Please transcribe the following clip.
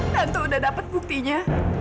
tantu udah dapet buktinya